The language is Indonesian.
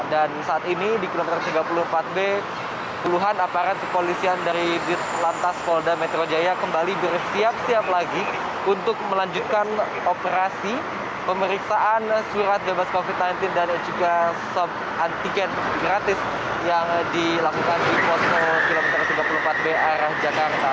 dan saat ini di kilometer tiga puluh empat b puluhan aparat sepolisian dari lantas polda metro jaya kembali bersiap siap lagi untuk melanjutkan operasi pemeriksaan surat bebas covid sembilan belas dan juga sub antigen gratis yang dilakukan di poso kilometer tiga puluh empat b arah jakarta